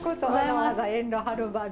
わざわざ遠路はるばる。